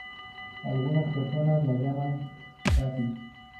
Algunas personas la llaman Kathy.